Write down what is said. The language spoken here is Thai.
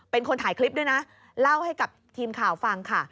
เป็นคนถ่ายคลิปด้วยนะเล่าให้กับทีมข่าวฟังค่ะ